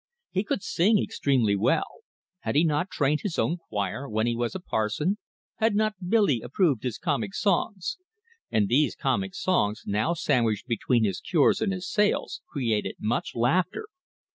He could sing extremely well had he not trained his own choir when he was a parson? had not Billy approved his comic songs? and these comic songs, now sandwiched between his cures and his sales, created much laughter.